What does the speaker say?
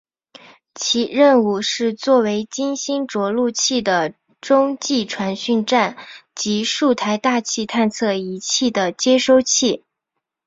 其任务是做为金星着陆器的中继传讯站及数台大气探测仪器的接收器。